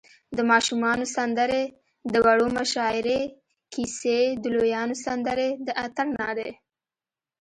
د ماشومانو سندرې، د وړو مشاعرې، کیسی، د لویانو سندرې، د اتڼ نارې